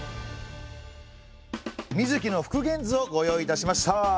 水城の復元図をご用意いたしました。